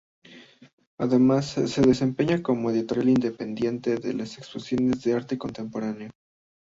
Además se desempeña como editora independiente de exposiciones de arte contemporáneo.